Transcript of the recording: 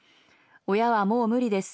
親はもう無理です。